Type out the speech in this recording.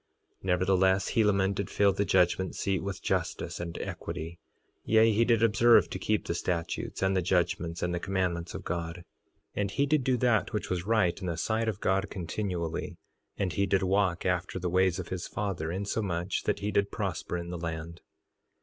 3:20 Nevertheless Helaman did fill the judgment seat with justice and equity; yea, he did observe to keep the statutes, and the judgments, and the commandments of God; and he did do that which was right in the sight of God continually; and he did walk after the ways of his father, insomuch that he did prosper in the land.